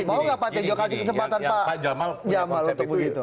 mau nggak pak tejo kasih kesempatan pak jamal untuk begitu